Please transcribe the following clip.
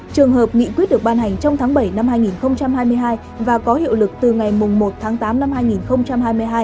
trường hợp nghị quyết được ban hành trong tháng bảy năm hai nghìn hai mươi hai và có hiệu lực từ ngày một tháng tám năm hai nghìn hai mươi hai